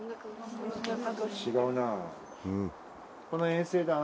違うなあ。